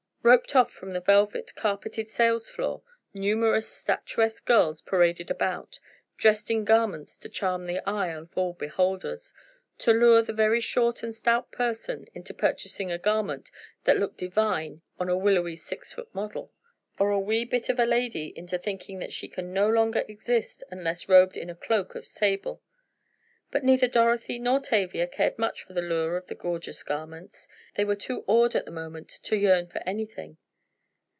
Roped off from the velvet, carpeted sales floors, numerous statuesque girls paraded about, dressed in garments to charm the eye of all beholders—to lure the very short and stout person into purchasing a garment that looked divine on a willowy six foot model; or, a wee bit of a lady into thinking that she can no longer exist, unless robed in a cloak of sable. But neither Dorothy nor Tavia cared much for the lure of the gorgeous garments, they were too awed at the moment to yearn for anything.